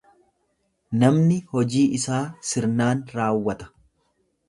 Namni hojii isaa sirnaan raawwata.